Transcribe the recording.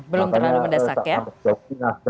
belum terlalu mendesak ya